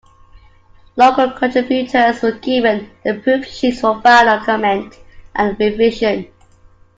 Local contributors were given the proof sheets for final comment and revision.